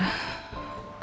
aku juga mau